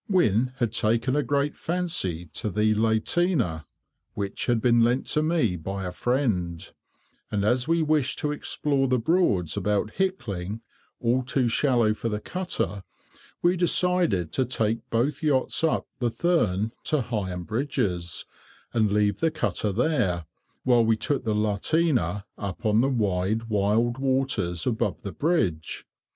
[Picture: Carp] Wynne had taken a great fancy to the lateener, which had been lent to me by a friend, and as we wished to explore the Broads about Hickling, all too shallow for the cutter, we decided to take both yachts up the Thurne to Heigham Bridges, and leave the cutter there, while we took the lateener up on the wide, wild waters above the bridge.